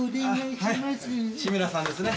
志村さんですね。